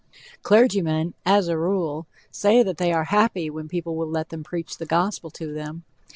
Clergymen, as a rule, say that they are happy when people will let them preach the gospel to them.